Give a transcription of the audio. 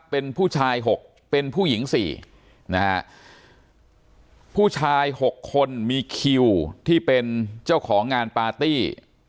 เป็นผู้ชาย๖เป็นผู้หญิงสี่นะฮะผู้ชาย๖คนมีคิวที่เป็นเจ้าของงานปาร์ตี้